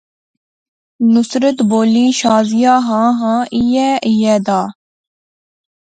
نصرت بولی، شازیہ ہاں خاں ایہھاں ایہہ دا